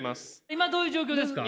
今どういう状況ですか？